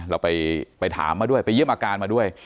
เราไปถามมาด้วยไปเยี่ยมอาการมาด้วย